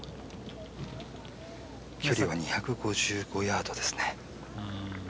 距離は２５５ヤードですね。